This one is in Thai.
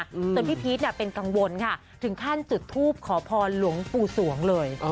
จนพี่พีชเนี่ยเป็นกังวลค่ะถึงขั้นจุดทูปขอพรหลวงปู่สวงเลย